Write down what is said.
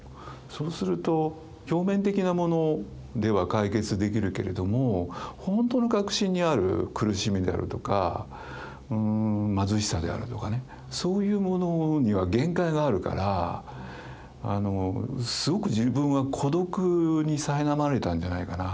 そうすると表面的なものでは解決できるけれども本当の核心にある苦しみであるとか貧しさであるとかねそういうものには限界があるからすごく自分は孤独にさいなまれたんじゃないかな。